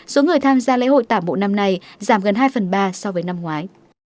số người tham gia lễ hội tả bộ năm nay giảm gần hai phần ba so với năm ngoái